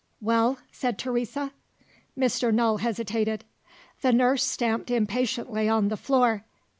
"Well?" said Teresa. Mr. Null hesitated. The nurse stamped impatiently on the floor.